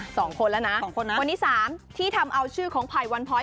สองคนแล้วนะคนที่สามที่ทำเอาชื่อของภัยวันพลอย